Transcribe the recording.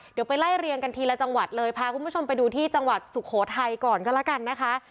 เดี๋ยวไปไล่เรียงกันทีละจังหวัดเลยพาคุณผู้ชมไปดูที่จังหวัดสุโขทัยก่อนก็แล้วกันนะคะ